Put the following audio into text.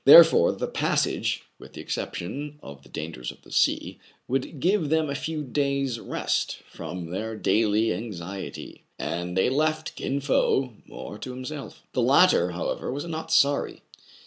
î* Therefore the passage, with the exception of the dangers of the sea, would give them a few days' rest from their daily anxi ety ; and they left Kin Fo more to himself. The latter, however, was not sorry.